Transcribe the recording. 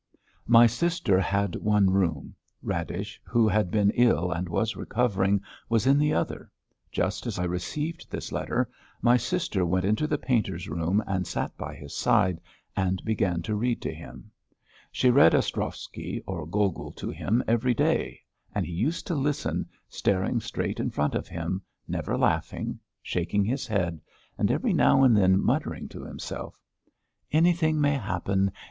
My sister had one room. Radish, who had been ill and was recovering, was in the other. Just as I received this letter, my sister went into the painter's room and sat by his side and began to read to him. She read Ostrovsky or Gogol to him every day, and he used to listen, staring straight in front of him, never laughing, shaking his head, and every now and then muttering to himself: "Anything may happen!